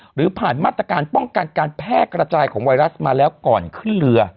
หรือผ่านมาตรการป้องกันการแพร่กระจายของไวรัสมาแล้วก่อนขึ้นเรือ